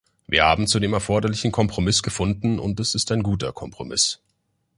Wir haben zu dem erforderlichen Kompromiss gefunden, und es ist ein guter Kompromiss.